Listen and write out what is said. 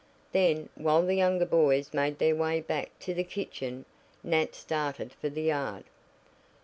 Then, while the younger boys made their way back to the kitchen, Nat started for the yard.